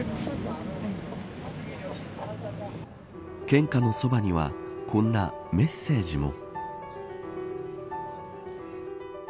献花のそばにはこんなメッセージも。